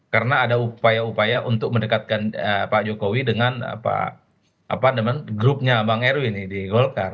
karena ada upaya upaya untuk mendekatkan pak jokowi dengan grupnya bang erw ini di golkar